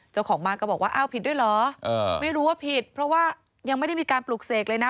เจ้าของบ้านก็บอกว่าอ้าวผิดด้วยเหรอไม่รู้ว่าผิดเพราะว่ายังไม่ได้มีการปลูกเสกเลยนะ